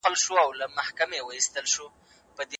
مثبت فکر کول ژوند ښکلی کوي.